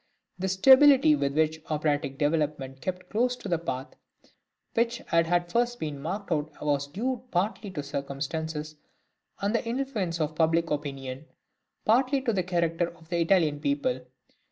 The stability with which operatic development kept close to the path which had at first been marked out was due partly to circumstances and the influence of public opinion, partly to the character of the Italian people.